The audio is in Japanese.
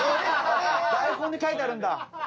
台本に書いてあるんだ！